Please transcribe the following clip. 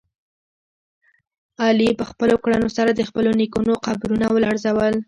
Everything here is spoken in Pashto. علي په خپلو کړنو سره د خپلو نیکونو قبرونه ولړزول.